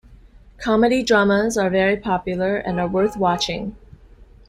Comedy dramas are very popular and are worth watching.